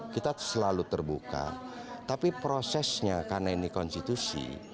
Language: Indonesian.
kita selalu terbuka tapi prosesnya karena ini konstitusi